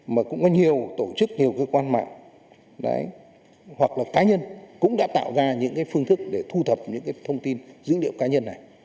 mà cũng có nhiều tổ chức nhiều cơ quan mạng hoặc là cá nhân cũng đã tạo ra những phương thức để thu thập những thông tin dữ liệu cá nhân này